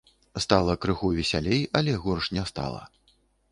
Стала крыху весялей, але горш не стала.